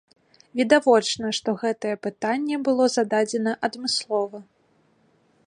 Відавочна, што гэтае пытанне было зададзена адмыслова.